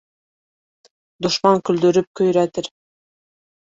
Дошман көлдөрөп көйрәтер.